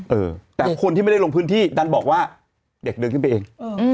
เออแต่คนที่ไม่ได้ลงพื้นที่ดันบอกว่าเด็กเดินขึ้นไปเอง